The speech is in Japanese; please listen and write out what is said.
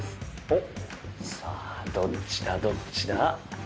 おっさぁどっちだどっちだ？